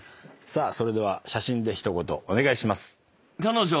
それでは写真で一言お願いします。